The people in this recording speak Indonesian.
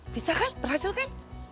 bisa kan berhasil kan